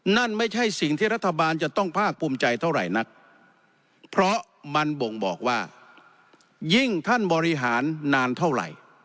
นั่นไม่ใช่สิ่งที่รัฐบาลจะต้องภาคภูมิใจเท่าไหร่นักเพราะมันบ่งบอกว่ายิ่งท่านบริหารนานเท่าไหร่